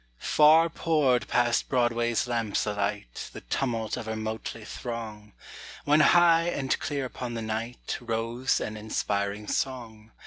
Far poured past Broadway's lamps alight, The tumult of her motley throng. When high and clear upon the night Rose an inspiring song.